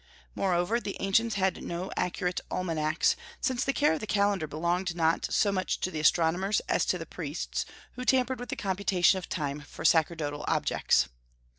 Moreover, the ancients had no accurate almanacs, since the care of the calendar belonged not so much to the astronomers as to the priests, who tampered with the computation of time for sacerdotal objects.